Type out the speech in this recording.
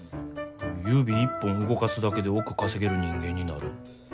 指一本動かすだけで億稼げる人間になる。